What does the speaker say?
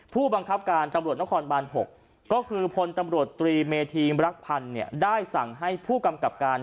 ผู้บังคับการตำรวจนครบาน๖ก็คือพลตำรวจตรีเมธีมรักพันธ์ได้สั่งให้ผู้กำกับการ